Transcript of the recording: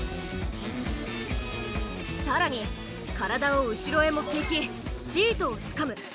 更に体を後ろへ持っていきシートをつかむ。